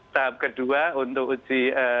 tahap kedua untuk uji